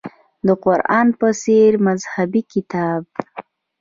د قران په څېر مذهبي کتاب.